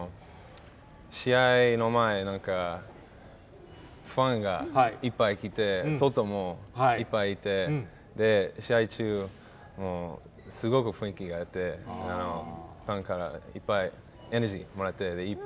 試合の前、ファンがいっぱい来て、外もいっぱいいて、試合中、すごく雰囲気がよくて、ファンからいっぱいエナジーもらって、